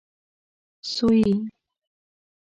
سويي